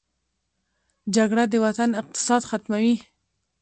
جګړه د وطن اقتصاد ختموي